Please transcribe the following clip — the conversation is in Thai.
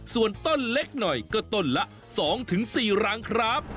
ส่วนต้นเล็กหน่อยก็ต้นละ๒๔รังครับ